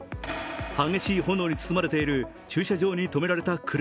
激しい炎に包まれている駐車場に止められた車。